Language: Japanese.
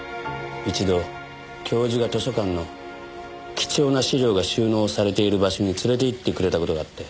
一度教授が図書館の貴重な資料が収納されている場所に連れて行ってくれた事があって。